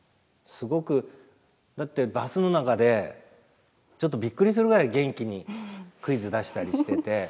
すごくだってバスの中でちょっとびっくりするぐらい元気にクイズ出したりしてて。